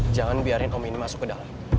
jangan biarin om ini masuk ke dalam